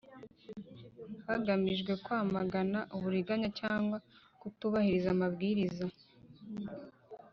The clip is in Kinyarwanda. hagamijwe kwamagana uburiganya cyangwa kutubahiriza amabwiriza